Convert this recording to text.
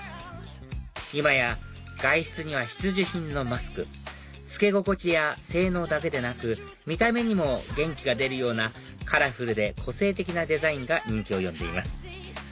今や外出には必需品のマスク着け心地や性能だけでなく見た目にも元気が出るようなカラフルで個性的なデザインが人気を呼んでいます